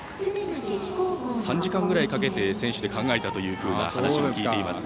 ３時間くらいかけて選手たちで考えたという話を聞いています。